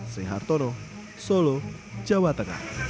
sehatono solo jawa tengah